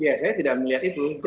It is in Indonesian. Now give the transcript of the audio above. ya saya tidak melihat itu